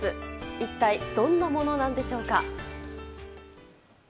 一体どんなものなんでしょうか。